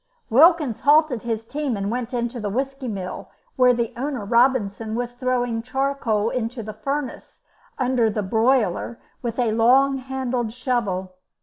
Wilkins halted his team and went into the whisky mill, where the owner, Robinson, was throwing charcoal into the furnace under his boiler with a long handled shovel.